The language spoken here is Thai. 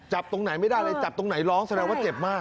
ตรงไหนไม่ได้เลยจับตรงไหนร้องแสดงว่าเจ็บมาก